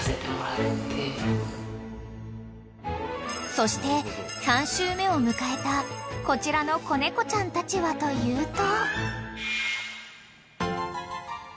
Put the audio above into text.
［そして３週目を迎えたこちらの子猫ちゃんたちはというと］